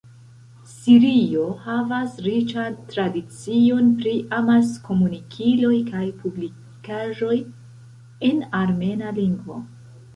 Sirio havas riĉan tradicion pri amaskomunikiloj kaj publikaĵoj en armena lingvo.